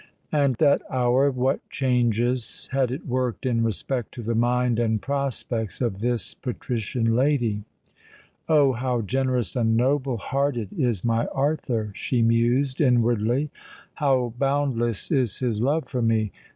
And that hour—what changes had it worked in respect to the mind and prospects of this patrician lady! "Oh! how generous and noble hearted is my Arthur!" she mused inwardly: "how boundless is his love for me!